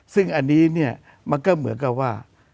ซึ่งอันนี้เนี่ยมันก็เหมือนกับว่า